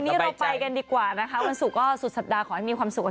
ไม่สนุกว่าสิเขาอยู่เดี๋ยวอาทิตย์หน้าเข้ามา